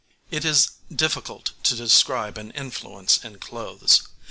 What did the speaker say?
a pouch}] It is difficult to describe an influence in clothes.